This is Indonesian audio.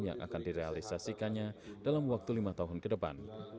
yang akan direalisasikannya dalam waktu lima tahun ke depan